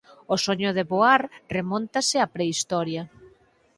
O soño de voar remontase á prehistoria.